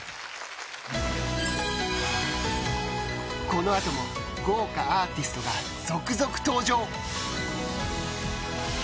この後も豪華アーティストが続々登場。